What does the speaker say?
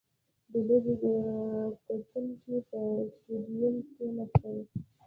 • د لوبې کتونکي په سټېډیوم کښېناستل.